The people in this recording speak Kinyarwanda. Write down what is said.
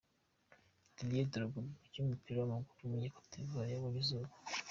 Didier Drogba, umukinnyi w’umupira w’amaguru wo muri Cote d’ivoire yabonye izuba.